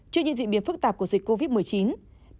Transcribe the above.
trước những diễn biến phức tạp của dịch covid một mươi chín